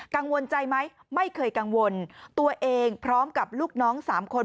กังวลใจไหมไม่เคยกังวลตัวเองพร้อมกับลูกน้องสามคน